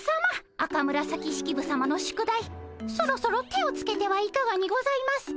赤紫式部さまの宿題そろそろ手をつけてはいかがにございますか？